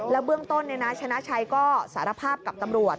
เบื้องต้นชนะชัยก็สารภาพกับตำรวจ